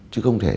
chứ không thể